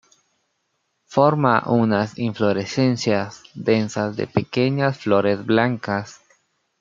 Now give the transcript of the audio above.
Forma unas inflorescencias densas de pequeñas flores blancas.